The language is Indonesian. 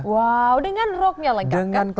wow dengan rocknya lengkap kan